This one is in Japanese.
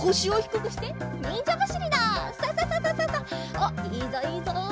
おっいいぞいいぞ！